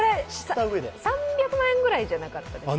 ３００万円ぐらいじゃなかったですか？